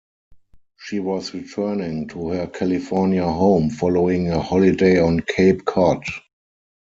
She was returning to her California home following a holiday on Cape Cod.